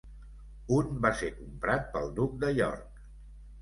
Un va ser comprat pel Duc de York.